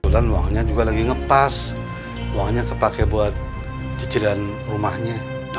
tulangnya juga lagi ngepas uangnya terpakai buat cicilan rumahnya